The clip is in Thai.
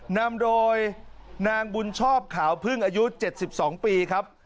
นำโดยนางบุญชอบขาวพึ่งอายุ๗๒ปีครับ